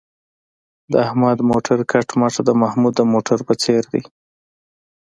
د احمد موټر کټ مټ د محمود د موټر په څېر دی.